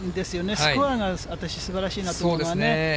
スコアが私、すばらしいなと思うんですね。